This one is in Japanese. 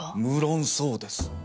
無論そうです。